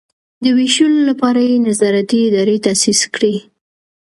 د ویشلو لپاره یې نظارتي ادارې تاسیس کړي.